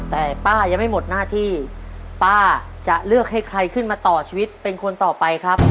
แต่ป้ายังไม่หมดหน้าที่ป้าจะเลือกให้ใครขึ้นมาต่อชีวิตเป็นคนต่อไปครับ